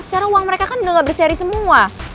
secara uang mereka kan udah gak bisa cari semua